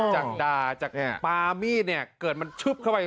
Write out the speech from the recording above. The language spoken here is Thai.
จากดาจากปามีดเกิดมันชุบเข้าไป